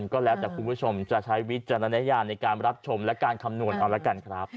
ก็แล้วแต่คุณผู้ชมจะใช้วิจารณญาณในการรับชมและการคำนวณเอาละกันครับ